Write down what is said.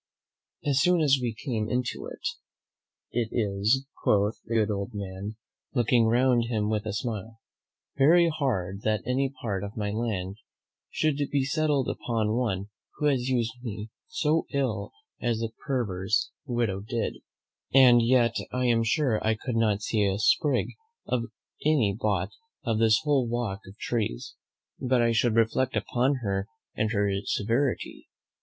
As soon as we came into it, "It is," quoth the good old man, looking round him with a smile, "very hard, that any part of my land should be settled upon one who has used me so ill as the perverse widow did; and yet I am sure I could not see a sprig of any bough of this whole walk of trees, but I should reflect upon her and her severity.